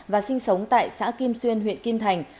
và sinh sống tại xã kim xuyên huyện kim thành